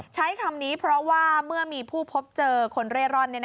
ใช้คำนี้เพราะว่าเมื่อมีผู้พบเจอคนเร่ร่อน